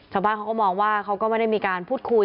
ชาวบ้านเขาก็มองว่าเขาก็ไม่ได้มีการพูดคุย